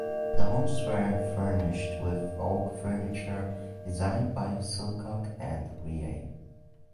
The homes were furnished with oak furniture designed by Silcock and Reay.